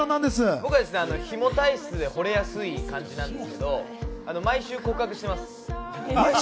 僕はヒモ体質で惚れやすいんですけど、毎週告白してます。